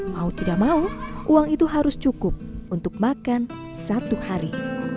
mau tidak mau uang itu harus cukup untuk makan satu hari